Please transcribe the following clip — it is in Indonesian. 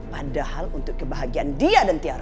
padahal untuk kebahagiaan dia dan tiara